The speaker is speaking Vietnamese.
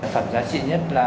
phần giá trị nhất là